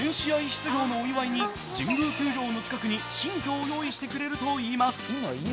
出場のお祝いに神宮球場の近くに新居を用意してくれるといいます。